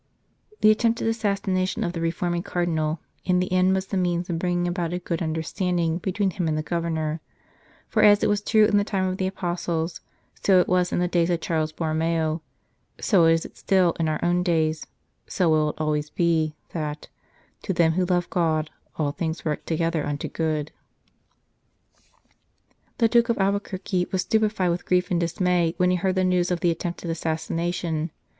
The attempted assassination of the reforming Cardinal in the end was the means of bringing about a good understanding between him and the Governor; for as it was true in the time of the Apostles, so was it in the days of Charles Borromeo, so is it still in our own days, so will it always be, that " to them who love God all things work together unto good." The Duke d Albuquerque was stupefied with grief and dismay when he heard the news of the attempted assassination.